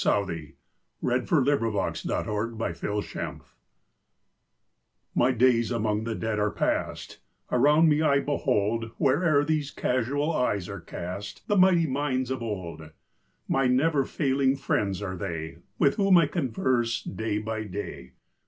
Stanzas Written in His Library 1V/TY days among the Dead are past; *•• Around me I behold, Where'er these casual eyes are cast, The mighty minds of old; My never failing friends are they, With whom I converse day by day.